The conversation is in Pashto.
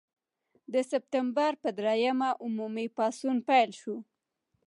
د سپټمبر پر دریمه عمومي پاڅون پیل شو.